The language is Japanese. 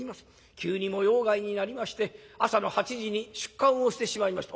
急に模様替えになりまして朝の８時に出棺をしてしまいました』。